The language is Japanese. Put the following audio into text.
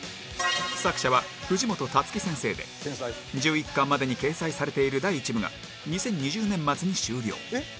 作者は藤本タツキ先生で１１巻までに掲載されている第１部が２０２０年末に終了